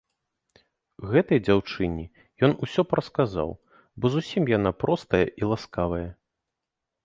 Гэтай дзяўчыне ён усё б расказаў, бо зусім яна простая і ласкавая.